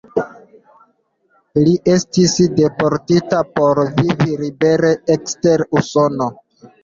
Li estis deportita por vivi libere ekster Usono.